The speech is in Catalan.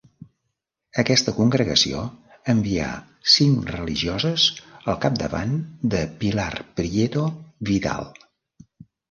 Aquesta congregació envià cinc religioses al capdavant de Pilar Prieto Vidal.